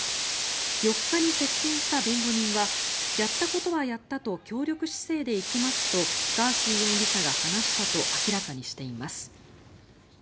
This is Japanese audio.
４日に接見した弁護人はやったことはやったと協力姿勢で行きますとガーシー容疑者が話したと明らかにしています。